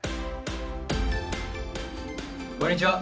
こんにちは